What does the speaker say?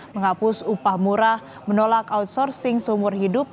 menghapus upah murah menolak outsourcing seumur hidup